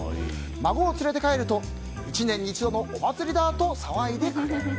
孫を連れて帰ると１年に一度のお祭りだと騒いでくれる。